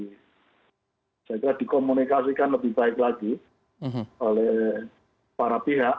dan ini nggak dapat saya kira ini perlu dikomunikasikan lebih baik lagi oleh para pihak